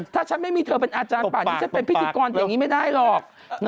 ถ้าฉันไม่มีเธอเป็นอาจารย์ป่านนี้ฉันเป็นพิธีกรอย่างนี้ไม่ได้หรอก